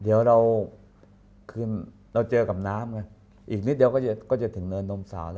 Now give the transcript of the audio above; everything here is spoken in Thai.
เดี๋ยวเราเผื่อเจอกับน้ำอีกนิดเดียวก็จะถึงเนินนมสาว